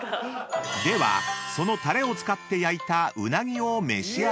［ではそのタレを使って焼いたうなぎを召し上がれ］